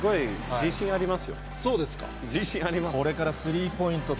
自信あります。